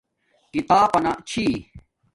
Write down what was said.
کتاب پنا چھی